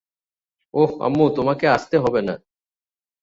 ওহ আম্মু, তোমাকে আসতে হবে না।